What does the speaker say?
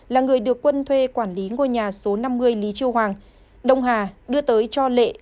là người được quân thuê quản lý ngôi nhà số năm mươi lý chiêu hoàng đông hà đưa tới cho lệ